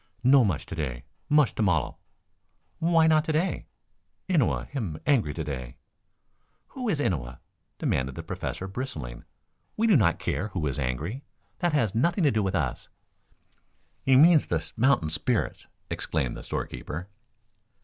"No mush to day. Mush to mollel." "Why not to day?" "Innua him angry to day." "Who is Innua?" demanded the Professor, bristling. "We do not care who is angry. That has nothing to do with us." "He means the mountain spirits," explained the store keeper.